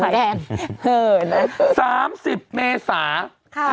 แย่ไข่มดแดงห่อนะ